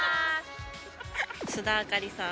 須田亜香里さん。